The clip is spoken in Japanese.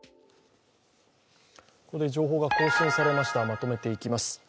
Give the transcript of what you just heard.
ここで情報が更新されましたまとめていきます。